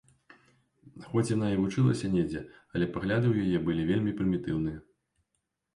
Хоць яна і вучылася недзе, але пагляды ў яе былі вельмі прымітыўныя.